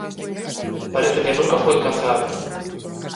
Parece que nunca foi cazado.